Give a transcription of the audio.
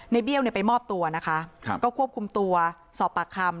ในเบี้ยวไปมอบตัวนะคะค่ะก็ควบคุมตัวสอบปากคำ